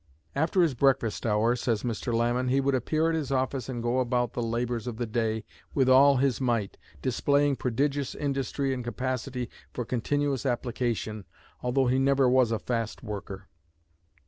After his breakfast hour, says Mr. Lamon, he would appear at his office and go about the labors of the day with all his might, displaying prodigious industry and capacity for continuous application, although he never was a fast worker.